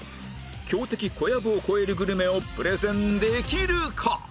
強敵小籔を超えるグルメをプレゼンできるか？